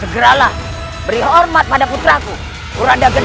segeralah beri hormat pada putraku kuranda gedi